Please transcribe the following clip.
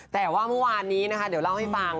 แต่ว่าเมื่อวานนี้นะคะเดี๋ยวเล่าให้ฟัง